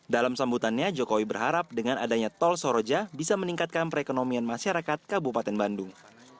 dalam sambutannya jokowi berharap dengan adanya tol soroja bisa meningkatkan perekonomian masyarakat kabupaten bandung